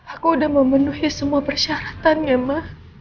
aku udah memenuhi semua persyaratannya ma